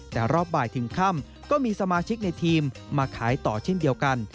แต่รอบบ่ายถึงค่ำก็มีสมาชิกในทีมมาขายต่อเช่นเดียวกัน